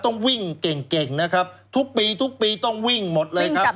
ต้องวิ่งเก่งเก่งนะครับทุกปีทุกปีต้องวิ่งหมดเลยครับ